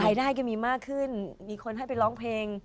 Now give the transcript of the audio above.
ได้ก็มีมากขึ้นมีคนให้ไปร้องเพลง